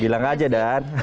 bilang aja dan